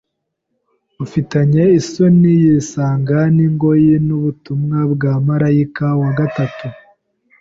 Ufitanye isano y’isanga n’ingoyi n’ubutumwa bwa marayika wa gatatu,